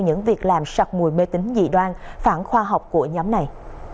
những việc làm sặc mùi mê tính dị đoan phản khoa học của nhóm này